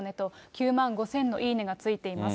９万５０００のいいねがついてます。